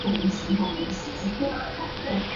谢曼怡。